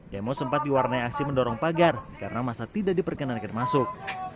demo sempat diwarnai aksi mendorong pagar karena masa tidak diperkenankan masuk